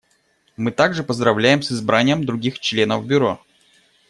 Мы также поздравляем с избранием других членов Бюро.